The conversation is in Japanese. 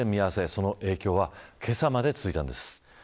その影響はけさまで続いたんです。